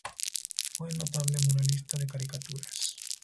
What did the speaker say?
Fue notable muralista de caricaturas.